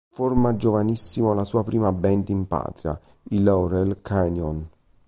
Forma giovanissimo la sua prima band in patria, i Laurel Canyon.